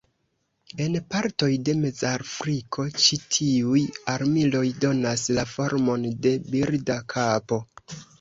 En partoj de Mezafriko ĉi tiuj armiloj donas la formon de birda kapo.